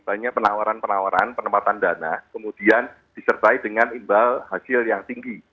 banyak penawaran penawaran penempatan dana kemudian disertai dengan imbal hasil yang tinggi